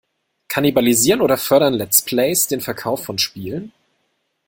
Kannibalisieren oder fördern Let's Plays den Verkauf von Spielen?